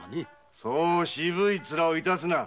そう渋い面致すな。